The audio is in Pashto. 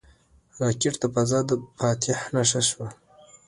راکټ د فضا د فاتح نښه شوه